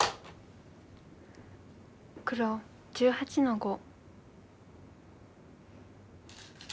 黒１８の五。